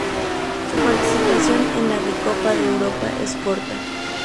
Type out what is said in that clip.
Su participación en la Recopa de Europa es corta.